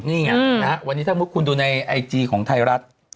นี่ไงวันนี้ถ้ามุติคุณดูในไอจีของไทยรัฐ